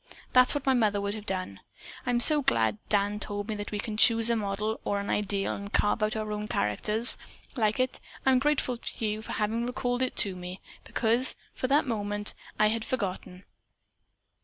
That's what my mother would have done. I am so glad that Dan told me that we can choose a model or an ideal and carve our own characters like it and I'm grateful to you for having recalled it to me, because, for the moment, I had forgotten."